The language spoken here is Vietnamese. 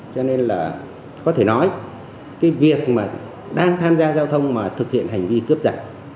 cho nên là có thể nói cái việc mà đang tham gia giao thông mà thực hiện hành vi cướp giật